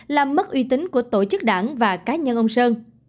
làm mất uy tín của tổ chức đảng và cá nhân ông sơn